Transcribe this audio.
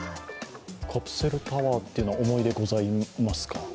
カプセルタワーというのは思い出はございますか？